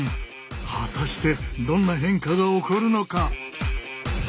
果たしてどんな変化が起こるのか？